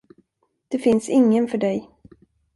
Det finns ingen för dig.